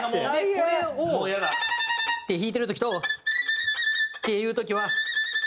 でこれを。って弾いてる時と。っていう時は。